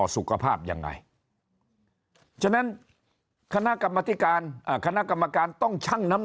สุขภาพยังไงฉะนั้นคณะกรรมธิการคณะกรรมการต้องชั่งน้ำ